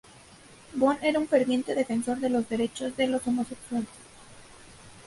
Bond era un ferviente defensor de los Derechos de los Homosexuales.